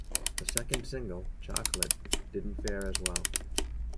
The second single, "Chocolate" didn't fare as well.